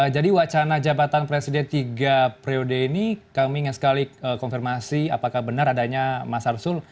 jadi wacana jabatan presiden tiga priode ini kami ingin sekali konfirmasi apakah benar adanya mas arsul